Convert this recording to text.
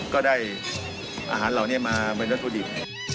ก็ได้อาหารเราเนี่ยมาวัตถุดิบ